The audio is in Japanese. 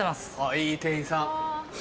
いい店員さん。